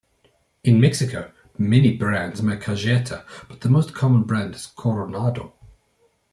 In Mexico many brands make cajeta but the most common brand is Coronado.